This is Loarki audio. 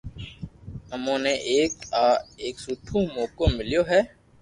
امو نيي ايڪ آ ايڪ سٺو موقو ميليو ھي